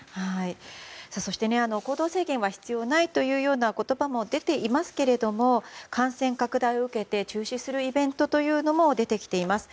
そして、行動制限は必要ないという言葉も出ていますが感染拡大を受けて中止するイベントというのも出てきています。